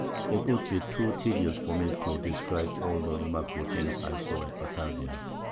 It would be too tedious for me to describe all the remarkable Things I saw at Batavia.